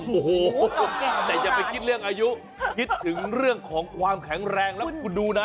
โอ้โหแต่อย่าไปคิดเรื่องอายุคิดถึงเรื่องของความแข็งแรงแล้วคุณดูนะ